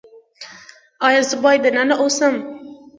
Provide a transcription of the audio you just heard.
ایا زه باید دننه اوسم؟